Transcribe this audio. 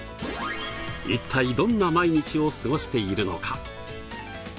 一体どんな毎日を過ごしているのか？